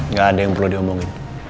nggak ada yang perlu diomongin